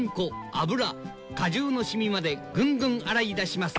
アブラ果汁のシミまでぐんぐん洗い出します！